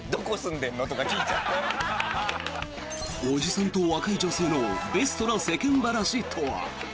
おじさんと若い女性のベストな世間話とは？